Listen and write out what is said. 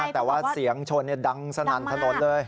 แต่ว่าเสียงชนดังสนั่นถนนเลย